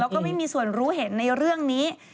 แล้วก็ไม่มีส่วนรู้เห็นในเรื่องนี้